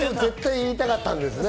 言いたかったんですね。